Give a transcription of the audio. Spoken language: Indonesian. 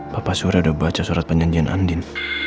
bapak surya udah baca surat penjanjian andin